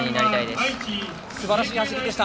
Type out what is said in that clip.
すばらしい走りでした。